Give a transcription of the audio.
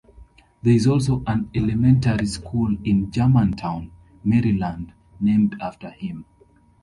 There is also an elementary school in Germantown, Maryland, named after him.